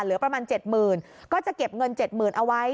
เหลือประมาณ๗หมื่นก็จะเก็บเงิน๗หมื่นเอาไว้